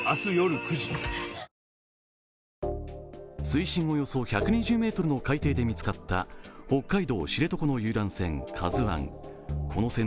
水深およそ１２０ｍの海底で見つかった北海道知床の遊覧船